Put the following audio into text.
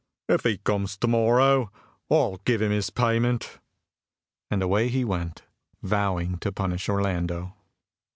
"If he comes to morrow I'll give him his payment;" and away he went, vowing to punish Orlando.